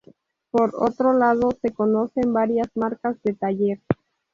Por otro lado, se conocen varias marcas de taller.